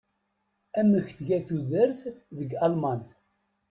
Amek tga tudert deg Alman?